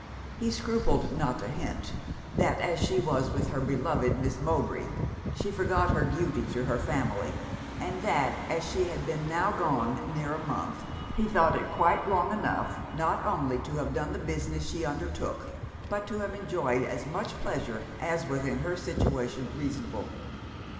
He scrupled not to hint, 'that as she was with her beloved Miss Mowbray, she forgot her duty to her family; and that as she had been now gone near a month, he thought it quite long enough, not only to have done the business she undertook, but to have enjoyed as much pleasure as was in her situation reasonable.